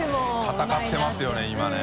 戦ってますよね今ね。